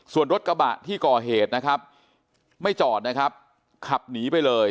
ส่วนรถกระบะที่ก่อเหตุนะครับไม่จอดนะครับขับหนีไปเลย